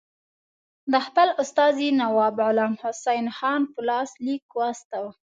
د خپل استازي نواب غلام حسین خان په لاس لیک واستاوه.